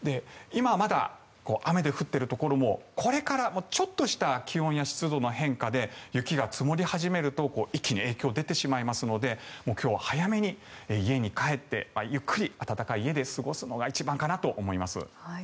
今、まだ雨で降っているところもこれから、ちょっとした気温や湿度の変化で雪が積もり始めると一気に影響が出てしまいますので今日は早めに家に帰ってゆっくり暖かい家で過ごすのが一番かなと思います。